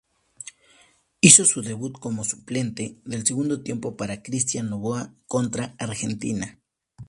Hizo su debut como suplente del segundo tiempo para Christian Noboa contra Argentina.